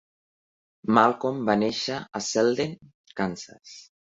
Malcolm va néixer a Selden, Kansas.